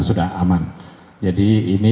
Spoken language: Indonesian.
sudah aman jadi ini